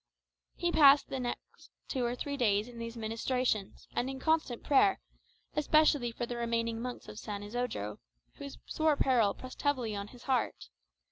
He passed the next two or three days in these ministrations, and in constant prayer, especially for the remaining monks of San Isodro, whose sore peril pressed heavily on his heart.